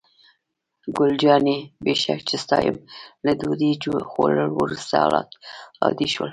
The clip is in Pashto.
ګل جانې: بې شک چې ستا یم، له ډوډۍ خوړو وروسته حالات عادي شول.